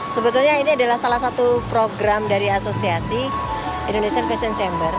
sebetulnya ini adalah salah satu program dari asosiasi indonesian fashion chamber